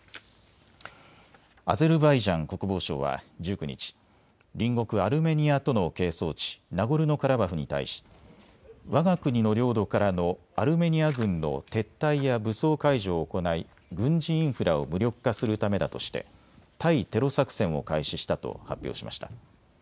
アゼルバイジャン国防省は１９日、隣国アルメニアとの係争地、ナゴルノカラバフに対しわが国の領土からのアルメニア軍の撤退や武装解除を行い軍事インフラを無力化するためだとして対テロ作戦を開始したと発表しました。